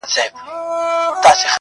ته پاچایې د ځنگلونو او د غرونو!.